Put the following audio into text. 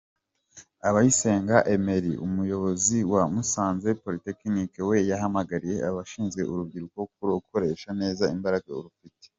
Abayisenga Emile umuyobozi wa Musanze Polytechinc we yahamagariye abashinzwe urubyiruko kurukoresha neza imbaraga rufite.